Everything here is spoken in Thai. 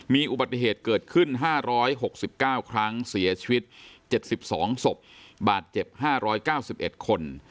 มีอุบัติเหตุเกิดขึ้นห้าร้อยหกสิบเก้าครั้งเสียชีวิตเจ็บสิบสองศพบาทเจ็บห้าร้อยเก้าสิบเอ็ดคน